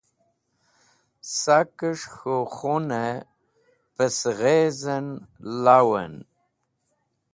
Sakẽs̃h k̃hũ kunẽ pẽ sẽghezẽn lawẽn